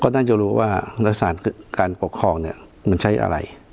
น่าจะรู้ว่ารักษาการปกครองเนี่ยมันใช้อะไร